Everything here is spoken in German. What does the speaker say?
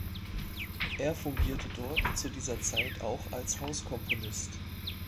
Er fungierte dort zu dieser Zeit auch als Hauskomponist.